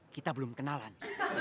kita belum kenalan